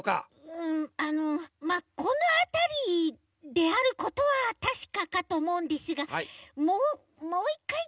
うんあのまっこのあたりであることはたしかかとおもうんですがももう１かい